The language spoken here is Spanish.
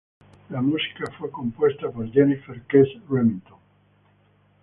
La música fue compuesta por Jennifer Kes Remington.